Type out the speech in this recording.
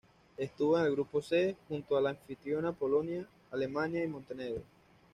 Estuvo en el grupo C, junto a la anfitriona Polonia, Alemania y Montenegro.